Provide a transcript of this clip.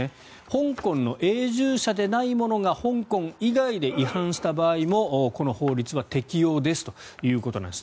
香港の永住者でない者が香港以外で違反した場合もこの法律は適用ですということなんです。